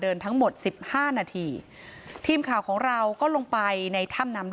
ทั้งหมดสิบห้านาทีทีมข่าวของเราก็ลงไปในถ้ำน้ำ